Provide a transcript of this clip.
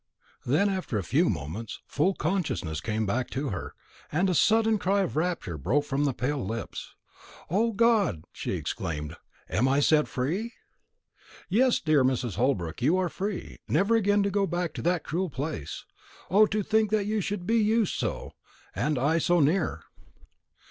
Then, after a few moments, full consciousness came back to her, and a sudden cry of rapture broke from the pale lips. "O God!" she exclaimed, "am I set free?" "Yes, dear Mrs. Holbrook, you are free, never again to go back to that cruel place. O, to think that you should be used so, and I so near!"